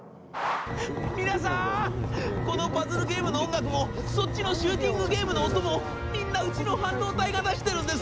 「皆さんこのパズルゲームの音楽もそっちのシューティングゲームの音もみんな、うちの半導体が出しているんです！